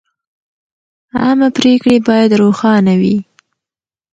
عامه پریکړې باید روښانه وي.